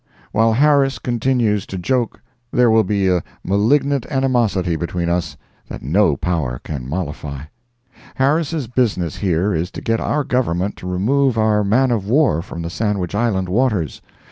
While Harris continues to joke there will be a malignant animosity between us that no power can mollify. Harris' business here is to get our Government to remove our man of war from the Sandwich Island waters.